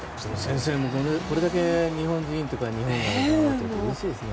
先生もこれだけ日本人とか日本選手が活躍するとうれしいですね。